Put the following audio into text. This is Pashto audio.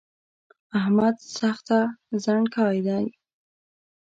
احمد سخته زڼکای ده